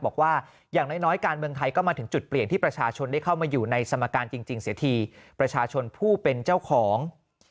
บอกว่าอย่างน้อยการเมืองไทยก็มาถึงจุดเปลี่ยนที่ประชาชนได้เข้ามาอยู่ในสมการจริงเสียทีประชาชนผู้เป็นเจ้าของ